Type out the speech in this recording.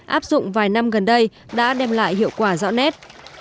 áp dụng vài năm gần đây đã đem lại hiệu quả rõ nét